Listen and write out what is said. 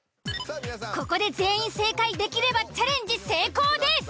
ここで全員正解できればチャレンジ成功です。